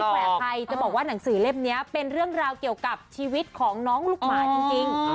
แววใครจะบอกว่าหนังสือเล่มนี้เป็นเรื่องราวเกี่ยวกับชีวิตของน้องลูกหมาจริง